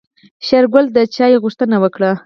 شېرګل د چاي غوښتنه وکړه.